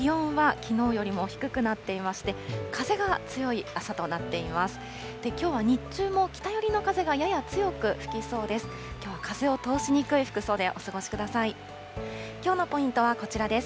きょうは日中も北寄りの風がやや強く吹きそうです。